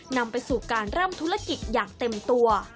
นำไปสู่การเริ่มธุรกิจอย่างเต็มตัว